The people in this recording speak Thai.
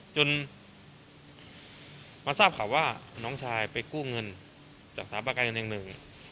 จนมันทราบขอบว่าน้องชายไปกู้เงินจากศาลประกายเงินอย่างหนึ่ง